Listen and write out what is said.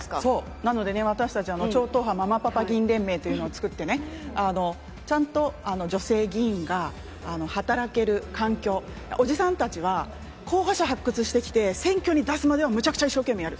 なので私たち、超党派のママパパ議員連盟というのを作ってね、ちゃんと女性議員が働ける環境、おじさんたちは、候補者発掘してきて、選挙に出すまではむちゃくちゃ一生懸命やる。